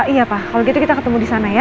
iya pak kalo gitu kita ketemu disana ya